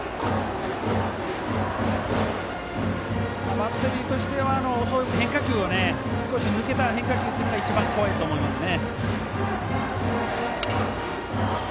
バッテリーとしては変化球は少し抜けた変化球というのが一番怖いと思いますね。